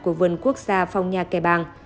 của vườn quốc gia phong nhà kẻ bàng